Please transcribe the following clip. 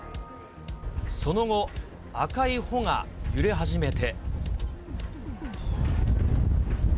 その後、赤い帆が揺れ始めて。